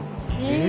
え！